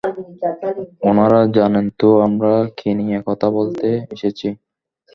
উনারা জানেন তো আমরা কী নিয়ে কথা বলতে এসেছি?